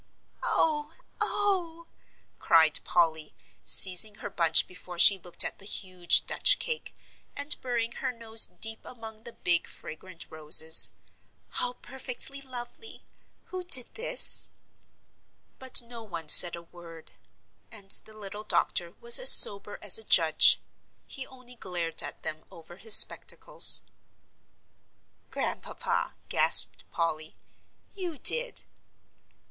"Oh oh!" cried Polly, seizing her bunch before she looked at the huge Dutch cake, and burying her nose deep among the big fragrant roses, "how perfectly lovely! Who did do this?" But no one said a word. And the little doctor was as sober as a judge. He only glared at them over his spectacles. "Grandpapa," gasped Polly, "you did."